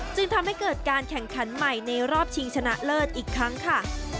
จึงทำให้เกิดการแข่งขันใหม่ในรอบชิงชนะเลิศอีกครั้งค่ะ